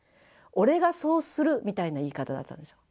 俺がそうするみたいな言い方だったんですよ。